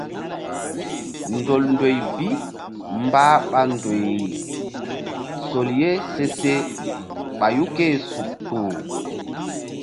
Ndol ndoy bi mbah ɓa ndoyri sol ye se se ɓayu ké-e suk kpuh.